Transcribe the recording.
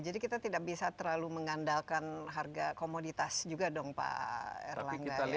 jadi kita tidak bisa terlalu mengandalkan harga komoditas juga dong pak erlangga ya